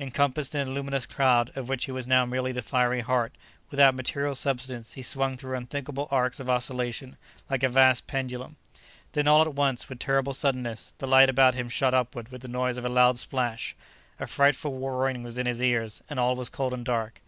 Encompassed in a luminous cloud, of which he was now merely the fiery heart, without material substance, he swung through unthinkable arcs of oscillation, like a vast pendulum. Then all at once, with terrible suddenness, the light about him shot upward with the noise of a loud splash; a frightful roaring was in his ears, and all was cold and dark.